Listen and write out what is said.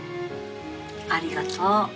ありがとう。